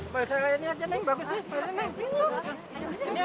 bisa kayak gini aja neng bagus sih